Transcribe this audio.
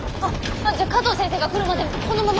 じゃあ加藤先生が来るまでこのまま。